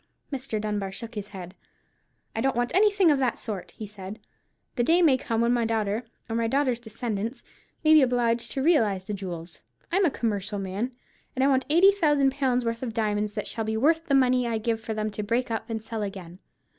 Mr. Dunbar shook his head. "I don't want anything of that sort," he said; "the day may come when my daughter, or my daughter's descendants, may be obliged to realize the jewels. I'm a commercial man, and I want eighty thousand pounds' worth of diamonds that shall be worth the money I give for them to break up and sell again.